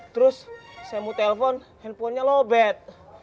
terus saya mau telepon handphonenya lobet